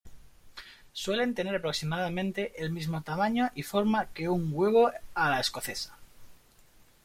Suelen tener aproximadamente el mismo tamaño y forma que un huevo a la escocesa.